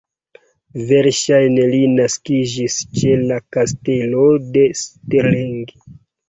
Verŝajne li naskiĝis ĉe la Kastelo de Stirling.